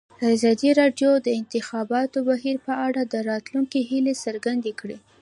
ازادي راډیو د د انتخاباتو بهیر په اړه د راتلونکي هیلې څرګندې کړې.